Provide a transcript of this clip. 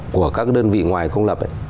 của các đơn vị ngoài công lập